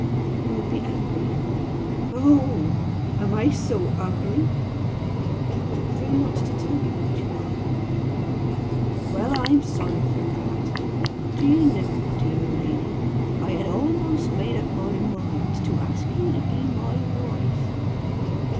"You would be angry." "Oho! Am I so ugly?" "I prefer not to tell you what you are." "Well I'm sorry for that. Do you know, dear lady, I had almost made up my mind to ask you to be my wife."